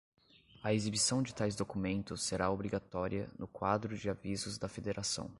A exibição de tais documentos será obrigatória no quadro de avisos da federação.